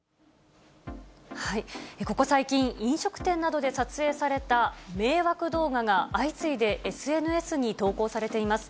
ここ最近、飲食店などで撮影された迷惑動画が、相次いでＳＮＳに投稿されています。